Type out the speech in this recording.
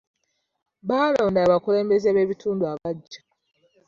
Baalonda abakulembeze b'ebitundu abaggya.